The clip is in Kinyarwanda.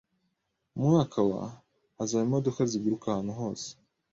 Mu mwaka wa , hazaba imodoka ziguruka ahantu hose.